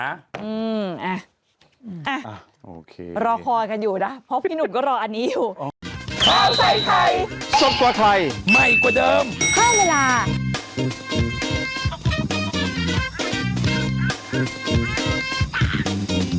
อืมเอ้ยเอ้ยรอคอยกันอยู่นะเพราะพี่หนุ่มก็รออันนี้อยู่อ๋อ